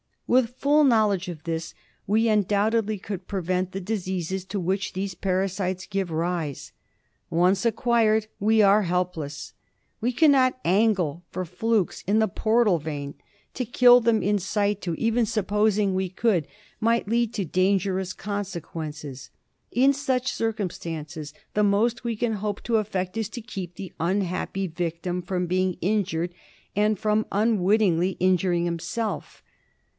With full knowledge of this we undoubtedly could prevent the diseases to which these parasites give rise. Once acquired we are helpless. We cannot angle for flukes in the portal vein ; to kill them in situ, even supposing we could, BILHARZIOSIS TREATMENT. 6i might lead to dangerous consequences. In such circum stances the most we can hope to effect is to keep the unhappy victim from being injured and from unwittingly injuring himself.